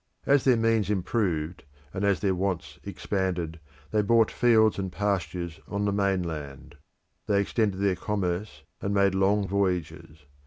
As their means improved, and as their wants expanded, they bought fields and pastures on the mainland; they extended their commerce, and made long voyages.